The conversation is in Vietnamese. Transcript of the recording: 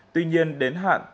tuy nhiên đến hạn